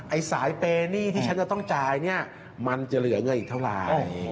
ไอ้สายเปย์หนี้ที่ฉันจะต้องจ่ายเนี่ยมันจะเหลือเงินอีกเท่าไหร่